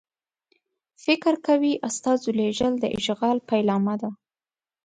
فکر کوي استازو لېږل د اشغال پیلامه ده.